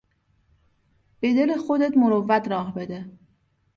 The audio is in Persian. به دل خودت مروت راه بده.